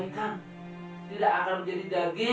tidak akan menjadi daging atau boleh dimakan oleh keluarga kalian